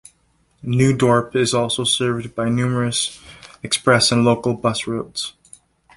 New Dorp is also served by numerous express and local bus routes.